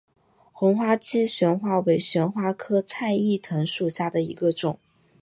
红花姬旋花为旋花科菜栾藤属下的一个种。